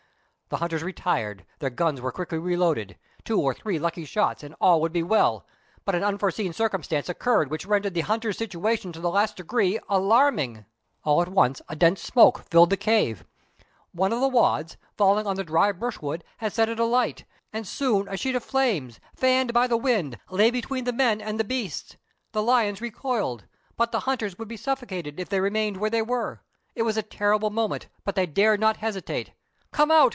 The hunters retired ; their guns were quickly reloaded ; two or three lucky shots, and all would be well ; but an unforeseen circumstance occurred which rendered the hunters' situation to the last degree alarming. All at once a dense smoke filled the cave. One of the wads, falling on the dry brushwood, had set it alight, and soon a sheet of flames, fanned by the wind, lay between the ).fi^wr: r^^^^ ' A Ball from the Bushman arrested the Lioness.— [Page 115.] THREE ENGLISHMEN AND THREE RUSSIANS. II5 men and the beasts. The lions recoiled, but the hunters would be suffocated if they remained where they were. It was a terrible moment, but they dared not hesitate. " Come out!